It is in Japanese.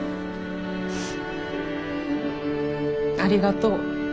ありがとう。